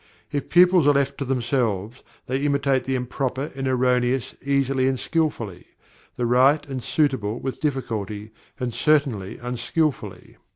If pupils are left to themselves, they imitate the improper and erroneous easily and skilfully; the right and suitable with difficulty, and certainly unskilfully.